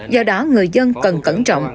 do đó người dân cần cẩn trọng